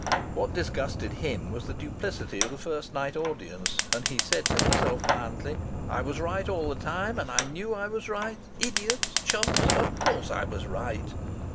What disgusted him was the duplicity of the first night audience, and he said to himself violently, "I was right all the time, and I knew I was right! Idiots! Chumps! Of course I was right!"